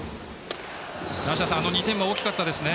梨田さん、あの２点は大きかったですね。